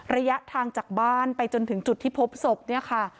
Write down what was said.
ระยะทางจากบ้านไปจนถึงจุดที่พบศพเนี่ยค่ะ